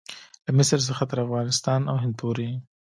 له مصر څخه تر افغانستان او هند پورې.